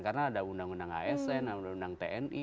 karena ada undang undang asn undang undang tni